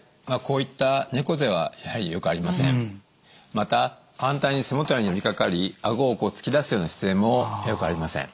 また反対に背もたれに寄りかかりあごをこう突き出すような姿勢もよくありません。